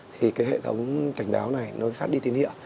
thì cái hệ thống cảnh báo này nó phát đi tín hiệu